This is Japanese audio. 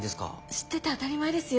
「知ってて当たり前ですよ」